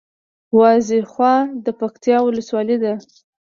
وازېخواه د پکتیکا ولسوالي ده